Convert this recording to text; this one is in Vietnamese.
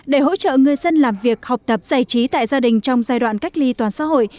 để hỗ trợ người dân làm việc học tập giải trí tại gia đình trong giai đoạn cách ly toàn xã hội